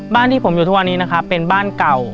บ้านที่ผมอยู่ทั่ววันนี้เป็นบ้านเก่า